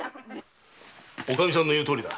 おかみさんの言うとおりだ。